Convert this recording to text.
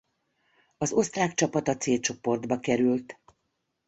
Az osztrák csapat a C csoportba került.